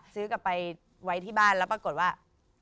ซื้อกลับไปไว้ที่บ้านแล้วปรากฏว่า